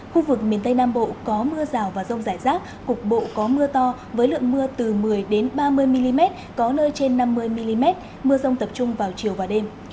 khu vực miền tây nam bộ có mưa rào và rông rải rác cục bộ có mưa to với lượng mưa từ một mươi ba mươi mm có nơi trên năm mươi mm mưa rông tập trung vào chiều và đêm